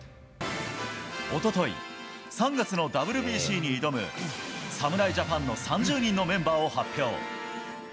おととい、３月のＷＢＣに挑む侍ジャパンの３０人のメンバーを発表。